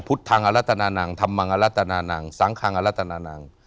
ทางอรัตนานังธรรมังอรัตนานังสังคังอรัตนานัง